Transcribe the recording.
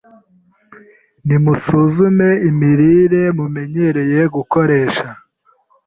Nimusuzume imirire mumenyereye gukoresha.